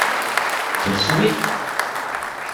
Qu’elle sourie !